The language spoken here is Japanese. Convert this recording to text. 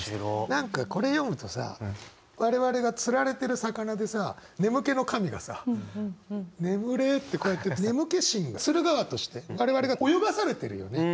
何かこれ読むとさ我々が釣られてる魚でさ眠気の神がさ「眠れ」ってこうやって眠気神が釣る側として我々が泳がされてるよね！